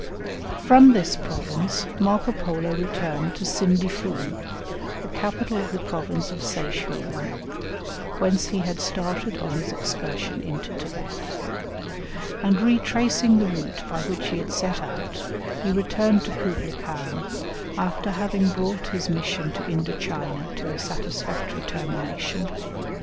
From this province Marco Polo returned to Sindifu, the capital of the province of Se chuen, whence he had started on his excursion into Thibet; and retracing the route by which he had set out, he returned to Kublaï Khan, after having brought his mission to Indo China to a satisfactory termination.